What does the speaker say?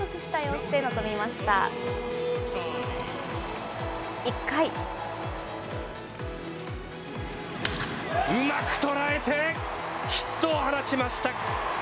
うまく捉えて、ヒットを放ちました。